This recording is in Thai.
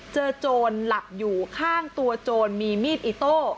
โจรหลับอยู่ข้างตัวโจรมีมีดอิโต้